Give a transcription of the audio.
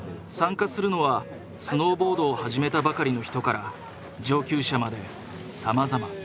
参加するのはスノーボードを始めたばかりの人から上級者までさまざま。